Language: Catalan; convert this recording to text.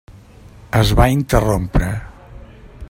Es va interrompre.